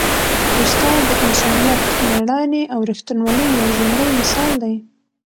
استاد د انسانیت، مېړانې او ریښتینولۍ یو ژوندی مثال دی.